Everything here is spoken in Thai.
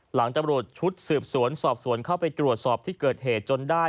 ตำรวจชุดสืบสวนสอบสวนเข้าไปตรวจสอบที่เกิดเหตุจนได้